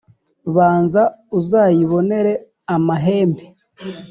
banza uzayibonere amahembe